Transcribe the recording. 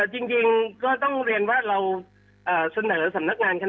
จริงก็ต้องเรียนว่าเราเสนอสำนักงานคณะ